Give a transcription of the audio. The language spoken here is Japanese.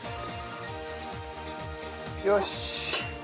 よし。